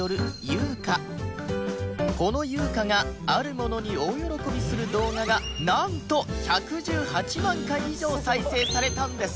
このユウカがあるものに大喜びする動画がなんと１１８万回以上再生されたんです